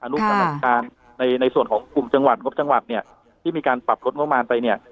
อนุกรรมธิการในส่วนของกลุ่มจังหวัดที่มีการปรับรถโมงมารไปเนี่ย